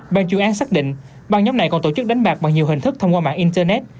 ban chuyên án xác định ban nhóm này còn tổ chức đánh bạc bằng nhiều hình thức thông qua mạng internet